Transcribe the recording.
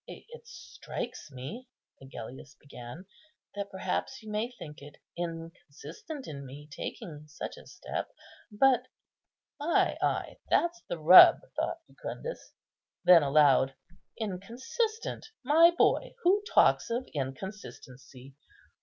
"It strikes me," Agellius began, "that perhaps you may think it inconsistent in me taking such a step, but—" "Ay, ay, that's the rub," thought Jucundus; then aloud, "Inconsistent, my boy! who talks of inconsistency?